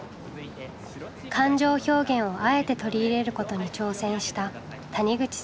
感情表現をあえて取り入れることに挑戦した谷口さんの一句。